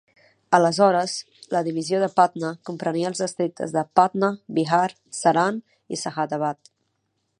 Aleshores, la divisió de Patna comprenia els districtes de Patna, Bihar, Saran i Shahabad.